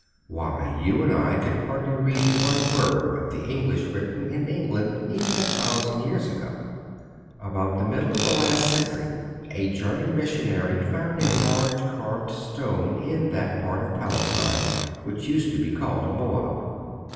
Why, you and I could hardly read one word of the English written in England even a thousand years ago! About the middle of the last century a German missionary found a large carved stone in that part of Palestine which used to be called Moab.